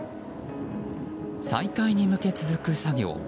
再開に向け、続く作業。